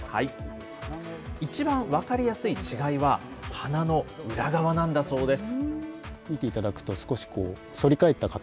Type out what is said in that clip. いちばん分かりやすい違いは、花の裏側なんだそうです。